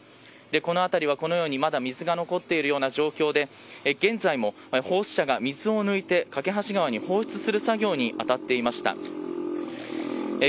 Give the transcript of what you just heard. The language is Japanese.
この辺りはこのようにまだ水が残っているような状況で現在もホース車が水を抜いて梯川に放出する作業に当たっていました。